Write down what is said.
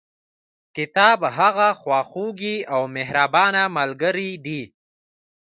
کتاب هغه خواخوږي او مهربانه ملګري دي.